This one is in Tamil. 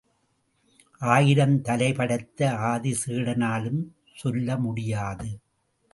ஆயிரம் தலை படைத்த ஆதிசேடனாலும் சொல்ல முடியாது.